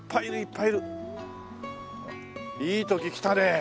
いい時来たね。